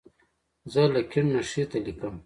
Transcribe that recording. زه له کیڼ نه ښي ته لیکم.